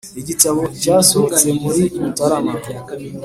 Igitabo cyasohotse muri Mutarama